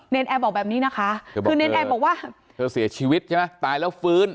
แอร์บอกแบบนี้นะคะคือเนรนแอร์บอกว่าเธอเสียชีวิตใช่ไหมตายแล้วฟื้น